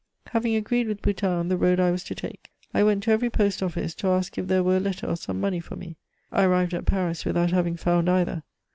Having agreed with Boutin on the road I was to take, I went to every post office to ask if there were a letter or some money for me. I arrived at Paris without having found either.